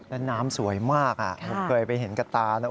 แล้วน้ำสวยมากผมเคยไปเห็นกระตานะ